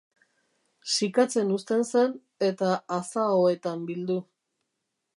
Sikatzen uzten zen, eta azaoetan bildu.